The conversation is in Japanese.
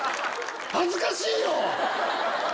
恥ずかしいよ。